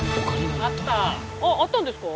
ああったんですか？